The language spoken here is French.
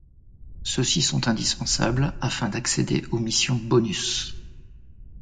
Ceux-ci sont indispensables afin d'accéder aux missions bonus.